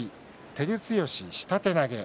照強、下手投げ。